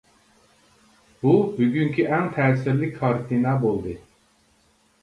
بۇ بۈگۈنكى ئەڭ تەسىرلىك كارتىنا بولدى.